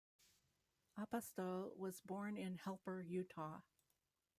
Apostol was born in Helper, Utah.